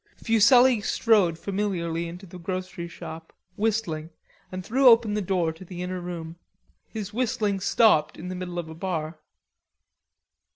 Fuselli strode familiarly into the grocery shop, whistling, and threw open the door to the inner room. His whistling stopped in the middle of a bar.